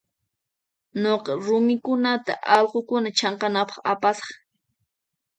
Nuqa rumikunata allqukuna chanqanaypaq apasaq.